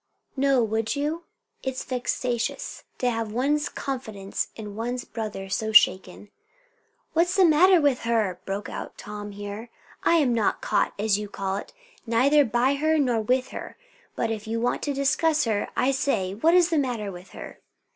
"No, would you? It's vexatious, to have one's confidence in one's brother so shaken." "What's the matter with her?" broke out Tom here. "I am not caught, as you call it, neither by her nor with her; but if you want to discuss her, I say, what's the matter with her?"